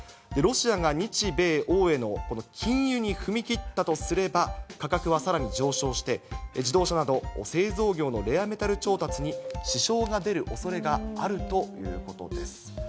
ロシアが日米欧への禁輸に踏み切ったとすれば、価格はさらに上昇して、自動車など製造業のレアメタル調達に支障が出るおそれがあるということです。